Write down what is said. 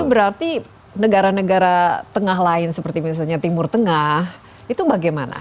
berarti negara negara tengah lain seperti misalnya timur tengah itu bagaimana